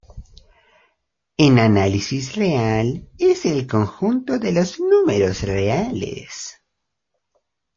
En análisis real, es el conjunto de los números reales.